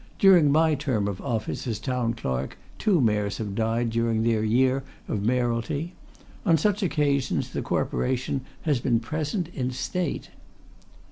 During my term of office as Town Clerk two Mayors have died during their year of Mayoralty. On such occasions the Corporation has been present in state."